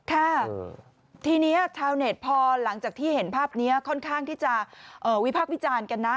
ค่ะทีนี้ชาวเน็ตพอหลังจากที่เห็นภาพนี้ค่อนข้างที่จะวิพากษ์วิจารณ์กันนะ